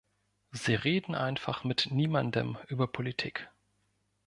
Sie reden einfach mit niemandem über Politik.